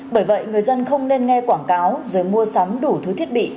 bởi vậy người dân không nên nghe quảng cáo rồi mua sắm đủ thứ thiết bị